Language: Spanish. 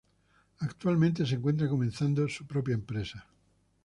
Actualmente se encuentra comenzando su propia empresa.